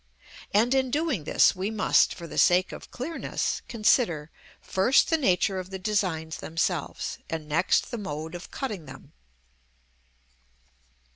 And in doing this we must, for the sake of clearness, consider, first the nature of the designs themselves, and next the mode of cutting them.